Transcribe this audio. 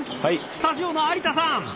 スタジオの有田さん！